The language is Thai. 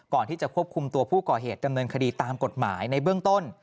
ก่อนที่จะควบคุมตัวผู้ก่อเหตุดำเนินคดีตามกฎหมายในเบื้องต้น